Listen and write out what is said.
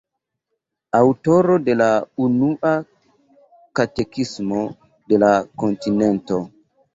Aŭtoro de la unua katekismo de la Kontinento.